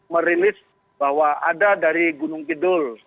merilis bahwa ada dari gunung kidul